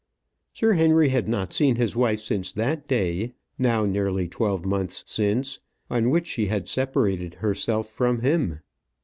Sir Henry had not seen his wife since that day now nearly twelve months since on which she had separated herself from him.